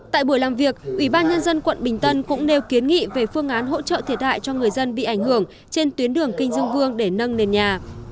tại buổi làm việc ubnd tp hcm cũng nêu kiến nghị về phương án hỗ trợ thiệt hại cho người dân bị ảnh hưởng trên tuyến đường kinh dương vương để nâng nền nhà